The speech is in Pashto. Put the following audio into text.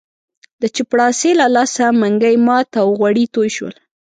د چپړاسي له لاسه منګی مات او غوړي توی شول.